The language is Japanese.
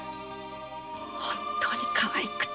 本当にかわいくて。